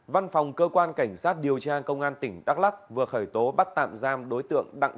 văn phòng cơ quan cảnh sát điều tra công an tỉnh đắk lắc vừa khởi tố bắt tạm giam đối tượng đặng